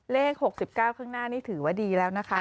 เลข๖๙ข้างหน้านี่ถือว่าดีแล้วนะคะ